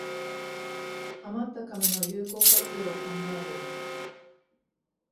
あまった紙の有効活用を考える